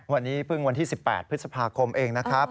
วันนี้เพิ่งวันที่๑๘พฤษภาคมเองนะครับ